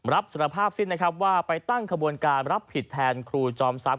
รับสารภาพสิ้นนะครับว่าไปตั้งขบวนการรับผิดแทนครูจอมทรัพย